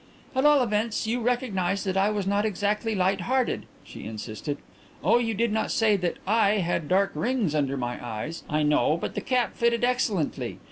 "At all events you recognized that I was not exactly light hearted," she insisted. "Oh, you did not say that I had dark rings under my eyes, I know, but the cap fitted excellently....